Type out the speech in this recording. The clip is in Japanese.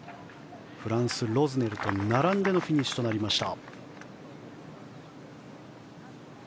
フランス、ロズネルと並んでのフィニッシュとなりました。